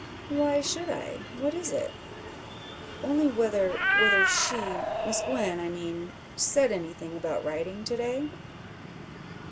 "Why should I? What is it?" "Only whether whether she Miss Gwen, I mean said anything about riding to day?"